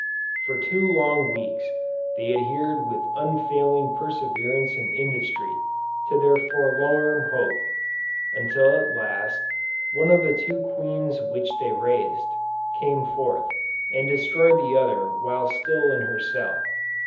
For two long weeks, they adhered with unfailing perseverance and industry, to their forlorn hope: until at last, one of the two queens which they raised, came forth, and destroyed the other while still in her cell.